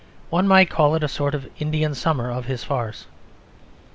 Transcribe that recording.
One might call it a sort of Indian summer of his farce.